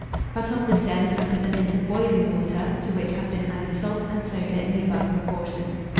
Cut off the stems and put them into boiling water, to which have been added salt and soda in the above proportion.